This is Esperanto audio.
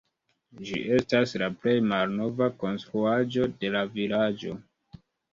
Ĝi estas la plej malnova konstruaĵo de la vilaĝo.